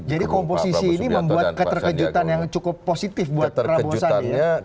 jadi komposisi ini membuat keterkejutan yang cukup positif buat prabowo sandiaga uno